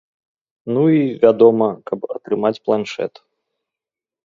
Ну і, вядома, каб атрымаць планшэт.